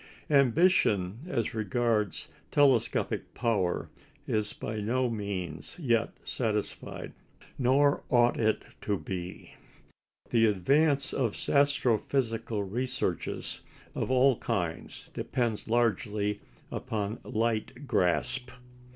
Ambition as regards telescopic power is by no means yet satisfied. Nor ought it to be. The advance of astrophysical researches of all kinds depends largely upon light grasp.